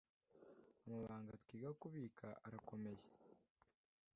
amabanga twiga kubika arakomeye